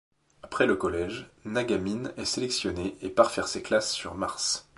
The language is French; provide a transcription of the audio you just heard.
Après le collège, Nagamine est sélectionnée et part faire ses classes sur Mars.